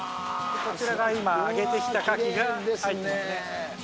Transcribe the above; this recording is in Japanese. こちらが今、揚げてきたカキが入ってますね。